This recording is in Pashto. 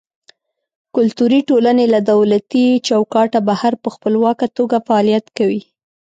کلتوري ټولنې له دولتي چوکاټه بهر په خپلواکه توګه فعالیت کوي.